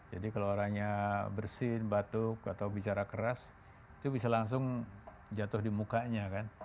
jadi kalau orangnya bersin batuk atau bicara keras itu bisa langsung jatuh di mukanya kan